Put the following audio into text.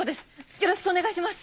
よろしくお願いします！